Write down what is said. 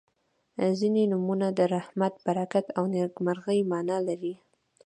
• ځینې نومونه د رحمت، برکت او نیکمرغۍ معنا لري.